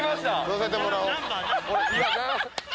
乗せてもらおう。